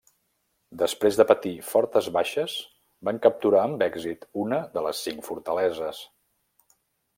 Després de patir fortes baixes van capturar amb èxit una de les cinc fortaleses.